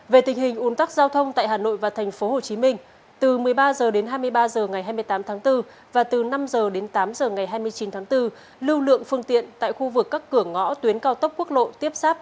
về tình hình ủn tắc giao thông tại hà nội và tp hcm từ một mươi ba h đến hai mươi ba h ngày hai mươi tám tháng bốn và từ năm h đến tám h ngày hai mươi chín tháng bốn lưu lượng phương tiện tại khu vực các cửa ngõ tuyến cao tốc quốc lộ tiếp sáp